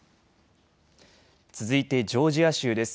続いてジョージア州です。